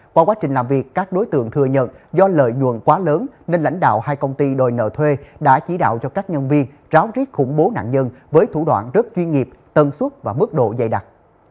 qua quá trình làm việc các đối tượng thừa nhận do lợi nhuận quá lớn nên lãnh đạo hai công ty đòi nợ thuê đã chỉ đạo cho các nhân viên ráo riết khủng bố nạn nhân với thủ đoạn rất chuyên nghiệp tân suốt và mức độ dày đặc